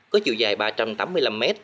có chiều dài ba trăm tám mươi năm m